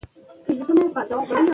اداره د خلکو خدمت ته دوام ورکوي.